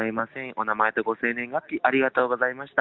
お名前とご生年月日、ありがとうございました。